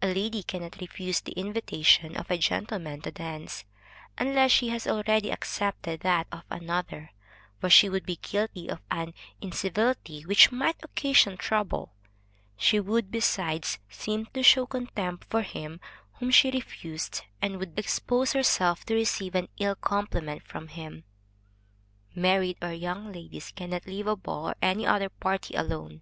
A lady cannot refuse the invitation of a gentleman to dance, unless she has already accepted that of another, for she would be guilty of an incivility which might occasion trouble; she would besides seem to show contempt for him whom she refused, and would expose herself to receive an ill compliment from him. Married or young ladies cannot leave a ball room or any other party alone.